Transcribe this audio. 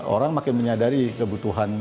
orang makin menyadari kebutuhan